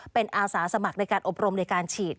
เป็นอาสาสมัครในการอบรมในการฉีด